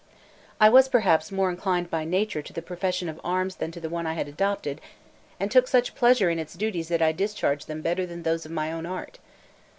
I was perhaps more inclined by nature to the profession of arms than to the one I had adopted, and I took such pleasure in its duties that I discharged them better than those of my own art.